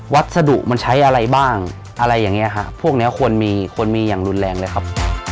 วัสดุมันใช้อะไรบ้างพวกนี้ควรมีอย่างรุนแรงเลยครับ